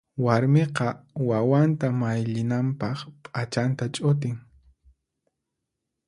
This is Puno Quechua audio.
Warmiqa wawanta mayllinanpaq p'achanta ch'utin.